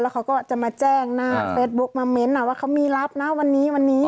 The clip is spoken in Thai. เขาก็จะมาแจ้งหน้าเฟซบุ๊กมาเน้นว่าเขามีรับนะวันนี้วันนี้